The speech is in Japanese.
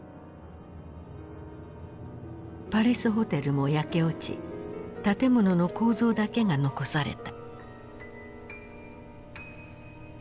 パレスホテルも焼け落ち建物の構造だけが残された。